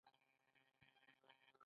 د سویل ختیځې اسیا هیوادونه ورسره تړلي دي.